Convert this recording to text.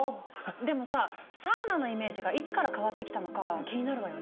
でもさサウナのイメージがいつから変わってきたのかは気になるわよね。